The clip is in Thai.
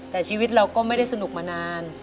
แต่ชีวิตเราก็ไม่ได้สนุกมานาน